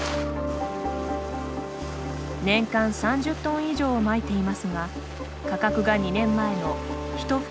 年間３０トン以上をまいていますが価格が２年前の１袋